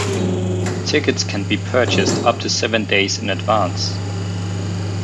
Tickets can be purchased up to seven days in advance.